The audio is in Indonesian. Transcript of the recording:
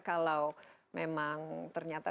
kalau memang ternyata